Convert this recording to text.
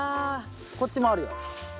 こっちもあるよ。